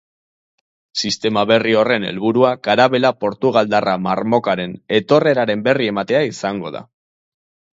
Sistema berri horren helburua karabela portugaldarra marmokaren etorreraren berri ematea izango da.